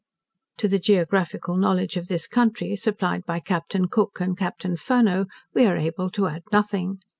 To the geographical knowledge of this country, supplied by Captain Cook, and Captain Furneaux, we are able to add nothing.